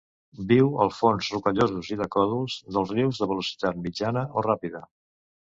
Viu als fons rocallosos i de còdols dels rius de velocitat mitjana o ràpida.